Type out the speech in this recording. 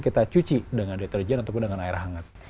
kita cuci dengan deterjen ataupun dengan air hangat